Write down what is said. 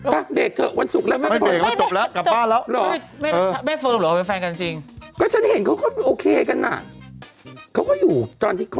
ป่ะเบกเถอะวันศุกร์แล้วไม่พอ